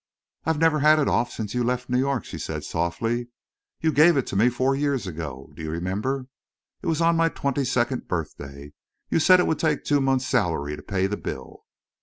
"I've never had it off since you left New York," she said, softly. "You gave it to me four years ago. Do you remember? It was on my twenty second birthday. You said it would take two months' salary to pay the bill."